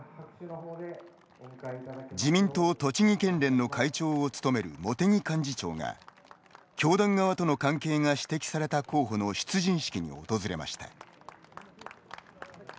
自民党栃木県連の会長を務める茂木幹事長が教団側との関係が指摘された候補の出陣式に訪れました。